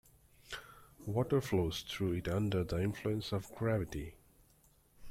Water flows through it under the influence of gravity.